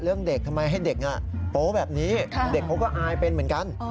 เรื่องเด็กทำไมให้เด็กโป๊แบบนี้เด็กเขาก็อายเป็นเหมือนกัน